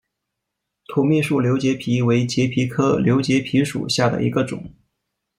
土蜜树瘤节蜱为节蜱科瘤节蜱属下的一个种。